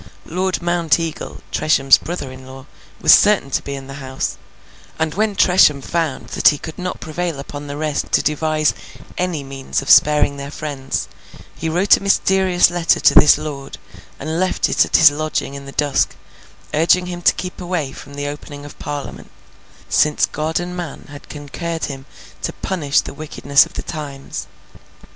Lord Mounteagle, Tresham's brother in law, was certain to be in the house; and when Tresham found that he could not prevail upon the rest to devise any means of sparing their friends, he wrote a mysterious letter to this lord and left it at his lodging in the dusk, urging him to keep away from the opening of Parliament, 'since God and man had concurred to punish the wickedness of the times.